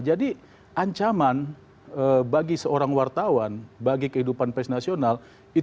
jadi ancaman bagi seorang wartawan bagi kehidupan pres nasional